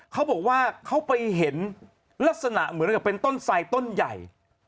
เขาบอกว่าเขาไปเห็นลักษณะเหมือนกับเป็นต้นไสต้นใหญ่